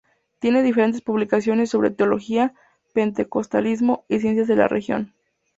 Tiene diferentes publicaciones sobre Teología, Pentecostalismo y ciencias de la religión.